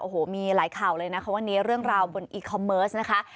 โอ้โหมีหลายข่าวเลยนะคะวันนี้เรื่องราวบนอีคอมเมิร์สนะคะ